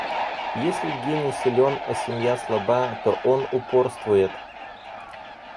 Если гений силен, а семья слаба, то он упорствует.